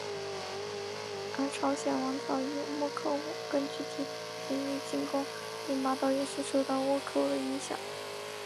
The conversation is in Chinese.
而朝鲜王朝以倭寇根据地名义进攻对马岛也是受到倭寇的影响。